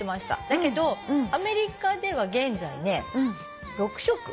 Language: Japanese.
だけどアメリカでは現在ね６色。